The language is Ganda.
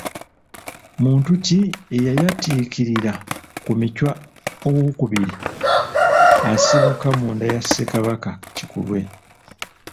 Muntu ki eyayatiikirira ku Michwa II asibuka mu nda ya Ssekabaka Kikulwe?